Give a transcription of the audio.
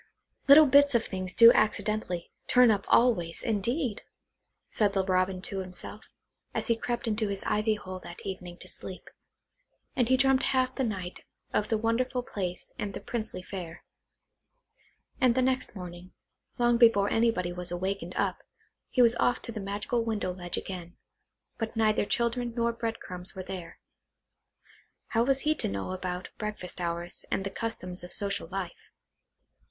"Little bits of things do accidentally, turn up always, indeed!" said the Robin to himself, as he crept into his ivy hole that evening to sleep; and he dreamt half the night of the wonderful place and the princely fare. And next morning, long before anybody was awake and up, he was off to the magical window ledge again, but neither children nor bread crumbs were there. (How was he to know about breakfast hours, and the customs of social life?)